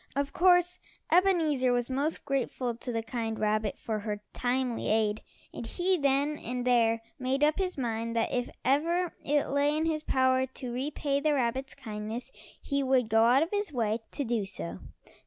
Of course Ebenezer was most grateful to the kind rabbit for her timely aid, and he then and there made up his mind that if ever it lay in his power to repay the rabbit's kindness he would go out of his way to do so.